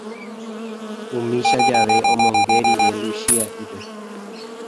Umícha jave, omonge rire Luchia'ípe